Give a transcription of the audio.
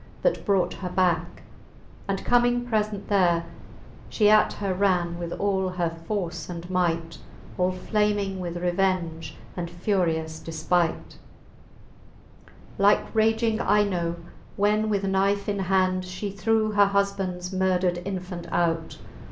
That brought her backe. And comming preient there„ She at her ran with all her force and might, All flaming with revenge and furious defpight. XLVII. Like raging Ino^ when with" knife in hand She threw her hufband's murdred infant out